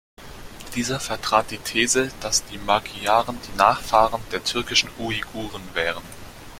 Dieser vertrat die These, dass die Magyaren die Nachfahren der türkischen Uiguren wären.